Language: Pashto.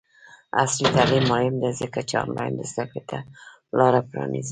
عصري تعلیم مهم دی ځکه چې آنلاین زدکړې ته لاره پرانیزي.